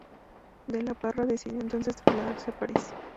De la Parra decidió entonces trasladarse a París.